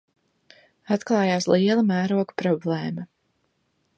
Atklājās liela mēroga problēma